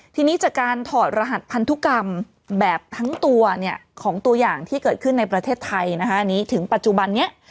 ทีนี้จากการถอดรหัสพันธุกรรมแบบทั้งตัวของตัวอย่างที่เกิดขึ้นในประเทศไทยนะคะอันนี้ถึงปัจจุบันนี้